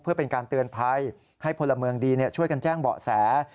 เพื่อเป็นการเตือนภัยให้พลเมืองดีช่วยกันแจ้งเบาะแส